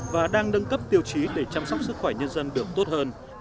và đang nâng cấp tiêu chí để chăm sóc sức khỏe nhân dân được tốt hơn